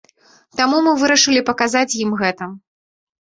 Таму мы вырашылі паказаць ім гэта.